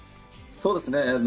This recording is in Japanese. そうですね。